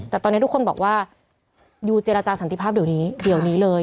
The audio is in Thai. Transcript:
แต่ตอนนี้ทุกคนบอกว่ายูเจรจาสันติภาพเดี๋ยวนี้เดี๋ยวนี้เลย